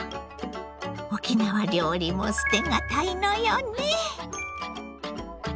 沖縄料理も捨てがたいのよね。